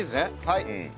はい。